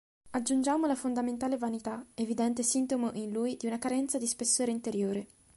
Aggiungiamo la fondamentale vanità, evidente sintomo in lui di una carenza di spessore interiore.